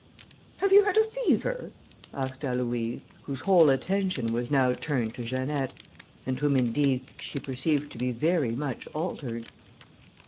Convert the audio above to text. "Have you had a fever?" asked Aloïse, whose whole attention was now turned to Janette, and whom, indeed, she perceived to be very much altered.